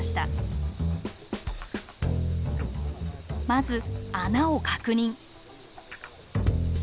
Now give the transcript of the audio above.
まず穴を確認。